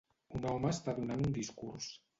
Un home està donant un discurs